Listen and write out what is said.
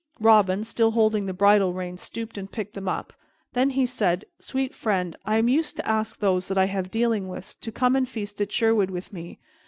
Robin, still holding the bridle rein, stooped and picked them up. Then he said, "Sweet friend, I am used to ask those that I have dealings with to come and feast at Sherwood with me.